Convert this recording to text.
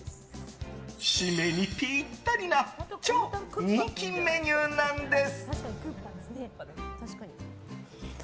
締めにぴったりな超人気メニューです。